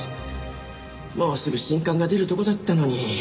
もうすぐ新刊が出るとこだったのに。